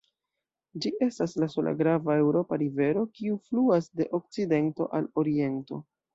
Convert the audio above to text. Ĝi estas la sola grava eŭropa rivero, kiu fluas de okcidento al oriento.